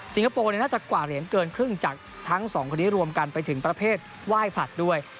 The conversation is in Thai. คโปร์น่าจะกว่าเหรียญเกินครึ่งจากทั้งสองคนนี้รวมกันไปถึงประเภทไหว้ผลัดด้วย